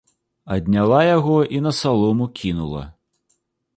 Адняла яго і на салому кінула.